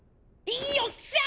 よっしゃ！